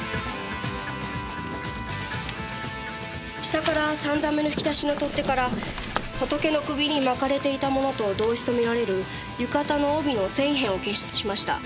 下から３段目の引き出しの取っ手からホトケの首に巻かれていたものと同一とみられる浴衣の帯の繊維片を検出しました。